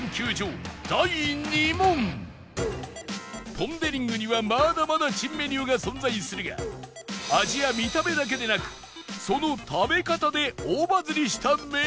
ポン・デ・リングにはまだまだ珍メニューが存在するが味や見た目だけでなくその食べ方で大バズりしたメニューも